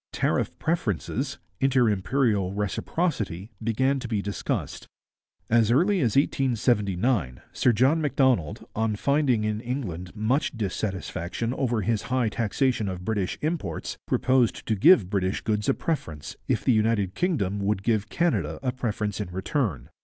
Tariff preferences, inter imperial reciprocity, began to be discussed. As early as 1879 Sir John Macdonald, on finding in England much dissatisfaction over his high taxation of British imports, proposed to give British goods a preference if the United Kingdom would give Canada a preference in return.